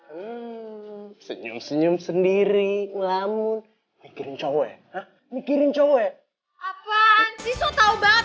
hai senyum senyum sendiri ngelamun bikin cowok mikirin cowok apaan sisi tahu banget